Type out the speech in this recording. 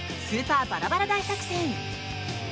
「スーパーバラバラ大作戦」！